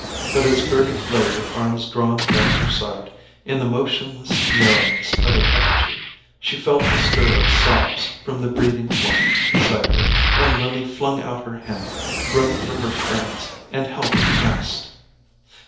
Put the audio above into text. But as Gerty lay with arms drawn down her side, in the motionless narrowness of an effigy, she felt a stir of sobs from the breathing warmth beside her, and Lily flung out her hand, groped for her friend's, and held it fast.